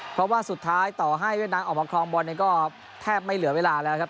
เพราะว่าสุดท้ายต่อให้เวียดนามออกมาครองบอลก็แทบไม่เหลือเวลาแล้วครับ